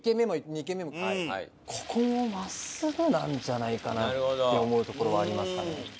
ここも真っすぐなんじゃないかなって思うところはありますかね。